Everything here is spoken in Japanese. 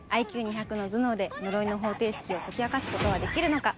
ＩＱ２００の頭脳で呪いの方程式を解き明かす事はできるのか。